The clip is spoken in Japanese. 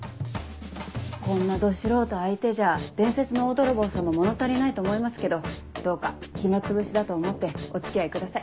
こんなど素人相手じゃ伝説の大泥棒さんも物足りないと思いますけどどうか暇つぶしだと思ってお付き合いください。